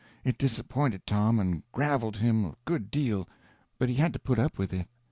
It disappointed Tom and graveled him a good deal, but he had to put up with it.